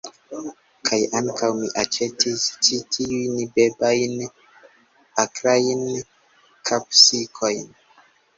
Kaj ankaŭ, mi aĉetis ĉi tiujn bebajn akrajn kapsikojn.